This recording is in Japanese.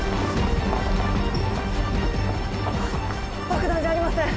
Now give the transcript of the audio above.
爆弾じゃありません